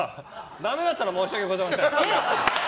ダメだったら申し訳ございません。